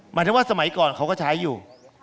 หมายถึงว่าสมัยก่อนเขาก็ใช้อยู่